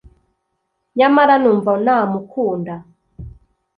Nyamara numva namukunda